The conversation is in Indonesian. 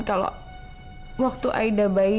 kalau waktu aida bayi